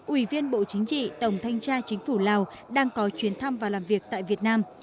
ủy viên bộ chính trị tổng thanh tra chính phủ lào đang có chuyến thăm và làm việc tại việt nam